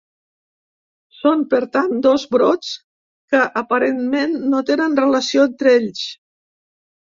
Són, per tant, dos brots que aparentment no tenen relació entre ells.